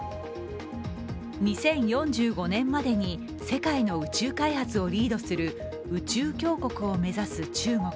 ２０４５年までに世界の宇宙開発をリードする宇宙強国を目指す中国。